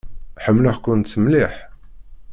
Ḥemmleɣ-kent mliḥ.